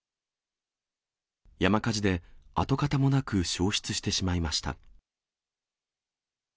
山火事で跡形もなく焼失してしまいました。